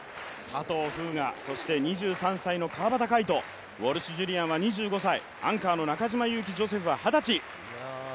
佐藤風雅、２３歳の川端魁人、ウォルシュ・ジュリアンは２５歳、アンカーの中島佑気ジョセフは二十歳。